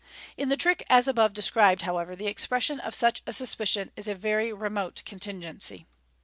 In the trick as above described, however, the expression of such a sus picion is a very remote contingency.